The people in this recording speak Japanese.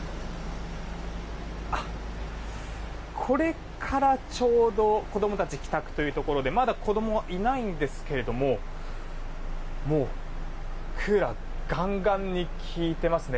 これからちょうど子供たち帰宅というところでまだ子供はいないんですけれどももうクーラーがガンガンにきいていますね。